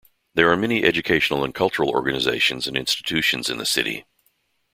There are many educational and cultural organizations and institutions in the city.